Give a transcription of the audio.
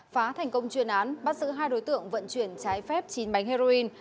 phá thành công chuyên án bắt giữ hai đối tượng vận chuyển trái phép chín bánh heroin